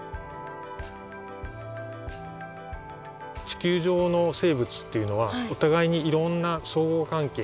地球上の生物っていうのはお互いにいろんな相互関係っていうんですかね